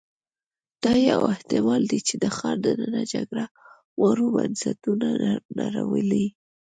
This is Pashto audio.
دا یو احتمال دی چې د ښار دننه جګړه مارو بنسټونه نړولي